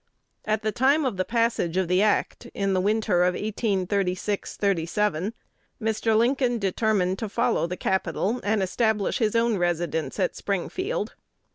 At the time of the passage of the Act, in the winter of 1836 7, Mr. Lincoln determined to follow the capital, and establish his own residence at Springfield.